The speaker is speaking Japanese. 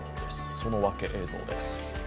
その訳、映像です。